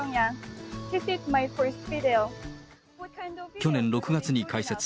去年６月に開設。